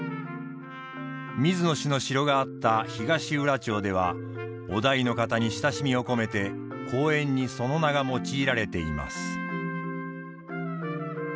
水野氏の城があった東浦町では於大の方に親しみを込めて公園にその名が用いられています。